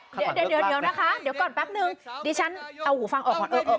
เดี๋ยวเดี๋ยวเดี๋ยวนะคะเดี๋ยวก่อนแป๊บหนึ่งดิฉันเอาหูฟังออกขอเออ